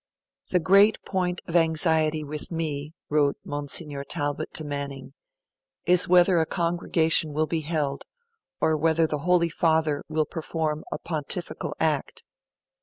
'The great point of anxiety with me, wrote Monsignor Talbot to Manning, 'is whether a Congregation will be held, or whether the Holy Father will perform a Pontifical act.